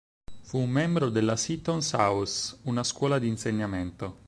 Fu un membro della Seaton's House, una scuola di insegnamento.